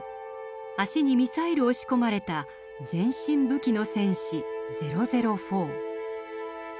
脚にミサイルを仕込まれた全身武器の戦士００４。